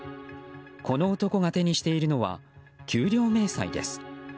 この男が手にしているのは給料明細です。